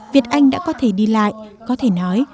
việt anh đã có thể đi lại có thể nói